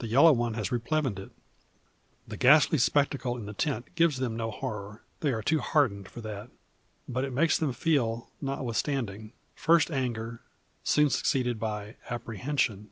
The yellow one has replevined it! The ghastly spectacle in the tent gives them no horror. They are too hardened for that. But it makes them feel, notwithstanding; first anger, soon succeeded by apprehension.